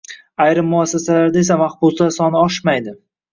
Ayrim muassasalarda esa mahbuslar soni oshmaydi.